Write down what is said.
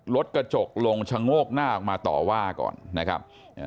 รถกระจกลงชะโงกหน้าออกมาต่อว่าก่อนนะครับ